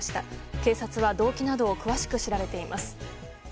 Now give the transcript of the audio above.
警察は動機などを詳しく調べています。